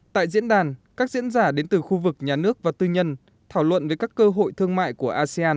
tại diễn đàn các diễn giả đến từ khu vực nhà nước và tư nhân thảo luận về các cơ hội thương mại của asean